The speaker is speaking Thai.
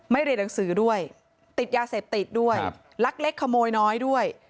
เรียนหนังสือด้วยติดยาเสพติดด้วยลักเล็กขโมยน้อยด้วย